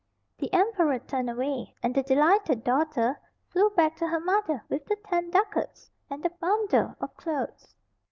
The emperor turned away, and the delighted daughter flew back to her mother with the ten ducats and the bundle of clothes.